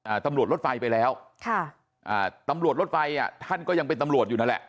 ตำรวจรถไฟไปแล้วค่ะอ่าตำรวจรถไฟอ่ะท่านก็ยังเป็นตำรวจอยู่นั่นแหละ